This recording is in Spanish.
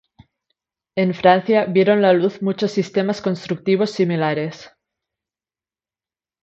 En Francia vieron la luz muchos sistemas constructivos similares.